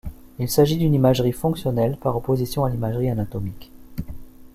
Il s'agit d'une imagerie fonctionnelle, par opposition à l'imagerie anatomique.